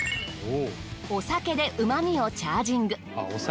お酒で旨味をチャージング。